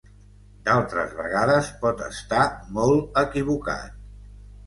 D'altres vegades pot estar molt equivocat.